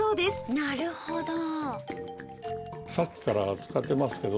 なるほど。